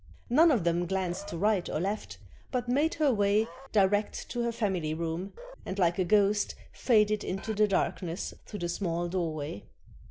None of them glanced to right or left, but made her way direct to her family room, and like a ghost faded into the dark ness through the small doorway.